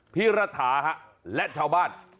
พี่รัฐาและชาวบ้าน